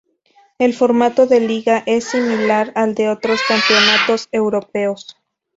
El formato de liga es similar al de otros campeonatos europeos.